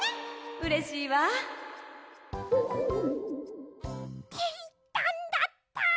うれしいわ。っていったんだった。